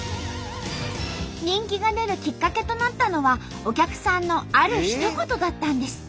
人気が出るきっかけとなったのはお客さんのあるひと言だったんです。